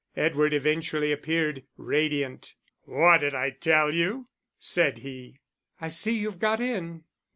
Edward eventually appeared, radiant. "What did I tell you?" said he. "I see you've got in."